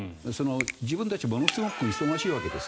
自分たちものすごく忙しいわけです。